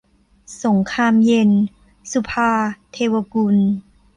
สงครามเย็น - สุภาว์ เทวกุล